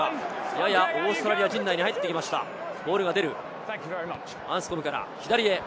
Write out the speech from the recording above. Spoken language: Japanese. ややオーストリア陣内に入ってきました、ボールが出る。